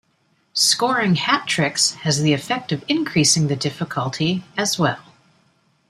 Scoring hat tricks has the effect of increasing the difficulty as well.